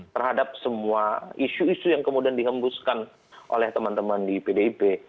terhadap semua isu isu yang kemudian dihembuskan oleh teman teman di pdip